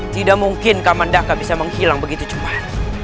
tidak mungkin kamandaka bisa menghilang begitu cuma